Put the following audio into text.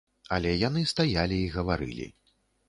Але яны стаялі і гаварылі.